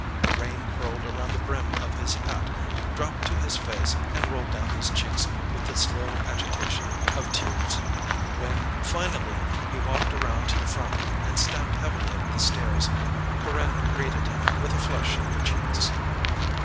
The rain curled around the brim of his hat, dropped to his face, and rolled down his cheeks with the slow agitation of tears. When, finally, he walked around to the front and stamped heavily up the stairs, Corinne greeted him with a flush in her cheeks.